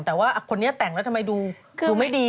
แต่ว่าคนนี้แต่งแล้วทำไมดูไม่ดี